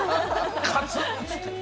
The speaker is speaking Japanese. カツーンッ！つって。